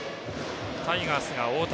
タイガースが大竹。